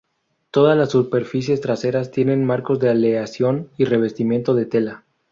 Todas las superficies traseras tienen marcos de aleación y revestimiento de tela.